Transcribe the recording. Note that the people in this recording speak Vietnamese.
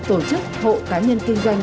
tổ chức hộ cá nhân kinh doanh